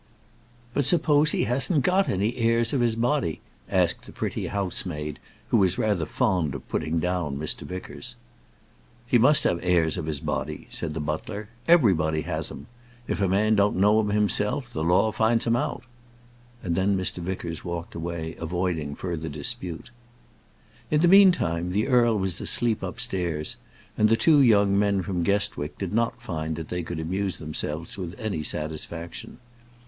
"But suppose he hasn't got any heirs of his body?" asked the pretty housemaid, who was rather fond of putting down Mr. Vickers. "He must have heirs of his body," said the butler. "Everybody has 'em. If a man don't know 'em himself, the law finds 'em out." And then Mr. Vickers walked away, avoiding further dispute. In the meantime, the earl was asleep upstairs, and the two young men from Guestwick did not find that they could amuse themselves with any satisfaction.